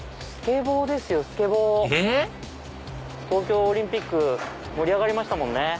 東京オリンピック盛り上がりましたもんね。